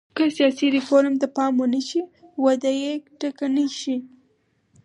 که سیاسي ریفورم ته پام ونه شي وده یې ټکنۍ شي.